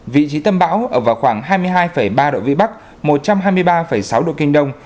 vị trí tâm bão ở vào khoảng hai mươi hai ba độ vĩ bắc một trăm hai mươi ba sáu độ kinh đông